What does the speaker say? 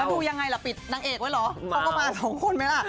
ดูยังไงล่ะปิดนางเอกไว้เหรอเขาก็มาสองคนไหมล่ะ